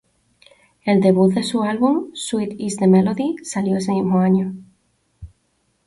El debut de su álbum "Sweet is the Melody" salió ese mismo año.